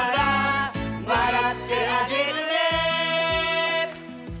「わらってあげるね」